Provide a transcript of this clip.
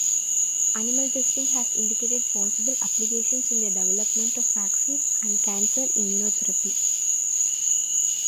Animal testing has indicated possible applications in the development of vaccines and cancer immunotherapy.